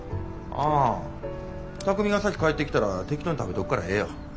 ああ巧海が先帰ってきたら適当に食べとくからええよ。